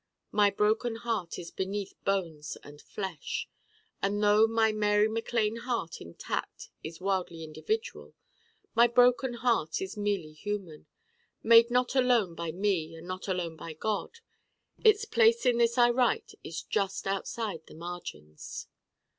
My Broken Heart is beneath bones and flesh. And though my M. MacLane heart intact is wildly individual, my Broken Heart is merely human: made not alone by me and not alone by God. Its place in this I write is just outside the margins.